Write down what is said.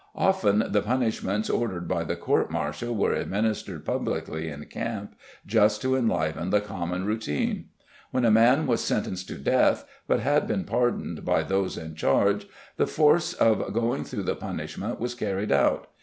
Often the punishments ordered by the court martial were administered publicly in camp just to enliven the common routine. When a man was sentenced to death, but had been pardoned by those in charge, the force of going through the punishment was carried out.